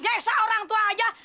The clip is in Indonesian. nyesel orang tua aja